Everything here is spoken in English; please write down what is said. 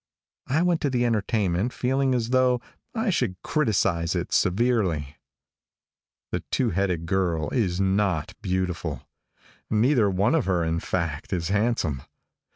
I went to the entertainment feeling as though I should criticise it severely. The two headed girl is not beautiful. Neither one of her, in fact, is handsome.